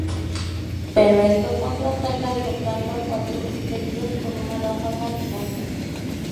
Pero este contraataca derrotando a cuatro espectros con una ráfaga de Cosmos.